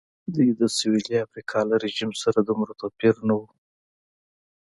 دوی د سوېلي افریقا له رژیم سره دومره توپیر نه و.